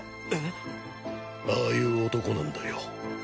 えっ？ああいう男なんだよ。